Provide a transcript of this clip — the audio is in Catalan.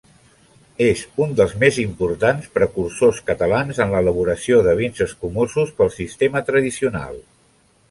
És un dels més importants precursors catalans en l'elaboració de vins escumosos pel sistema tradicional.